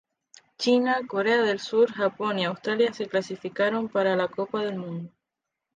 China, Corea del Sur, Japón y Australia se clasificaron para la Copa del Mundo.